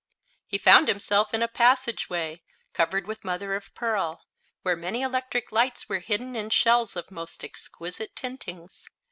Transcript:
He found himself in a passage way covered with mother of pearl, where many electric lights were hidden in shells of most exquisite tintings.